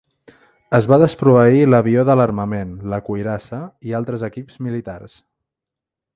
Es va desproveir l'avió de l'armament, la cuirassa i altres equips militars.